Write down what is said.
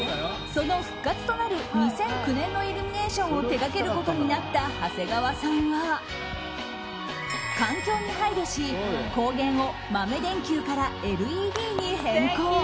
その復活となる２００９年のイルミネーションを手がけることになった長谷川さんは環境に配慮し光源を豆電球からＬＥＤに変更。